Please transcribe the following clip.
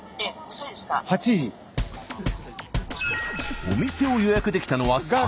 お店を予約できたのは３時間後。